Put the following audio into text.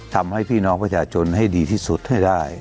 ทำให้พี่น้องประชาชนให้ดีที่สุดให้ได้